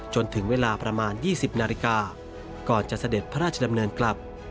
จนถึงเวลาประมาณ๒๐นาฬิกาก่อนจะเสด็จพระราชดำเนินกลับ